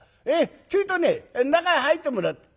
ちょいとね中へ入ってもらって。